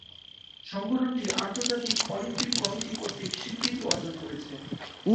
সংগঠনটি আন্তর্জাতিক Olympic committee কর্তৃক স্বীকৃতি অর্জন করেছে।